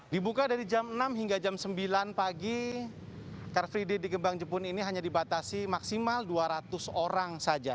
dibuka dari jam enam hingga jam sembilan pagi car free day di gebang jepun ini hanya dibatasi maksimal dua ratus orang saja